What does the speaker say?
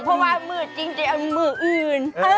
เพราะมือจริงทีมาเอามืออื่น